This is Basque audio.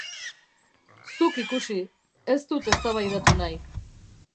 Zuk ikusi, ez dut eztabaidatu nahi.